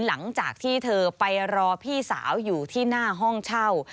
หลังจากที่เธอไปรอพี่สาวอยู่ที่หน้าห้องเช่า